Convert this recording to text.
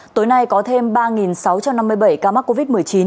tối nay có thêm ba sáu trăm năm mươi bảy ca mắc covid một mươi chín